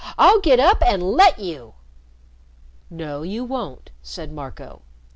I'll get up and let you!" "No, you won't," said Marco.